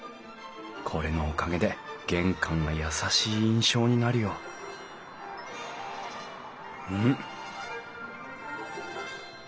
これのおかげで玄関が優しい印象になるよん？